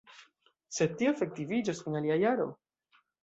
Sed tio efektiviĝos en alia jaro.